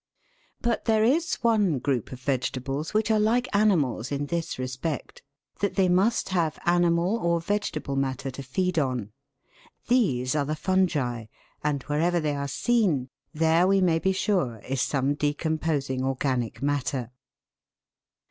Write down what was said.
But there is one group of vegetables which are like ani mals in this respect, that they must have animal or vegetable matter to feed on. These are the fungi, and wherever they are seen there we may be sure is some decomposing or ganic matter.